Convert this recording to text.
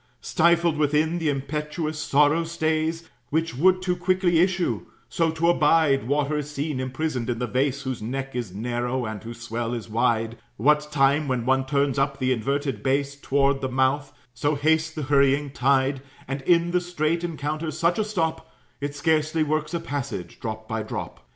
Stifled within, the impetuous sorrow stays, Which would too quickly issue; so to abide Water is seen, imprisoned in the vase, Whose neck is narrow and whose swell is wide; What time, when one turns up the inverted base, Toward the mouth, so hastes the hurrying tide, And in the strait encounters such a stop, It scarcely works a passage, drop by drop.